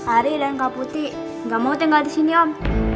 ari dan kak putih gak mau tinggal di sini om